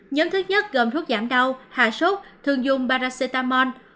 nhóm thứ nhất gồm thuốc giảm đau hạ sốt thường dùng baracetamol